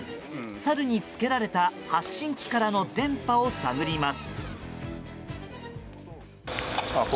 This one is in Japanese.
サルにつけられた発信機からの電波を探ります。